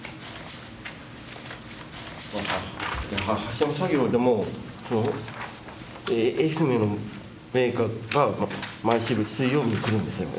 箸の作業でも愛媛のメーカーが毎週ね水曜日に来るんですよね